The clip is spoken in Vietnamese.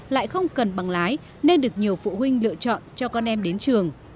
lại không cần bằng lái nên được nhiều phụ huynh lựa chọn cho con em đến trường